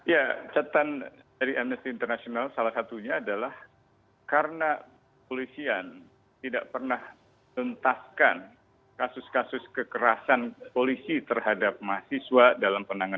ya catatan dari amnesty international salah satunya adalah karena polisian tidak pernah tuntaskan kasus kasus kekerasan polisi terhadap mahasiswa dalam penanganan